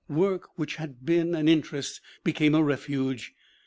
Work, which had been an interest, became a refuge.